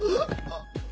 あっ！